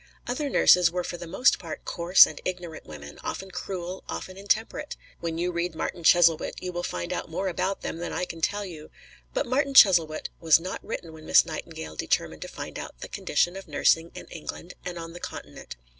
The other nurses were for the most part coarse and ignorant women, often cruel, often intemperate. When you read "Martin Chuzzlewit" you will find out more about them than I can tell you. But "Martin Chuzzlewit" was not written when Miss Nightingale determined to find out the condition of nursing in England and on the Continent.